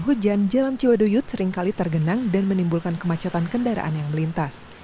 hujan jalan ciwaduyut seringkali tergenang dan menimbulkan kemacetan kendaraan yang melintas